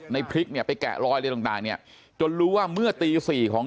ในพลิกไปแกะรอยเลยต่างนี้จนรู้ว่าเมื่อตี๔ของ๒๒